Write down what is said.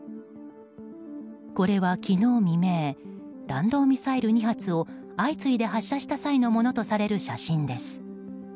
これは、昨日未明弾道ミサイル２発を相次いで発射した際のものとされる写真です。